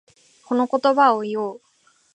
この言葉を言おう。